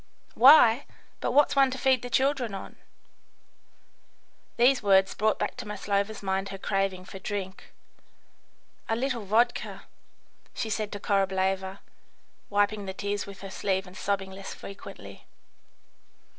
"Why? but what's one to feed the children on?" These words brought back to Maslova's mind her craving for drink. "A little vodka," she said to Korableva, wiping the tears with her sleeve and sobbing less frequently.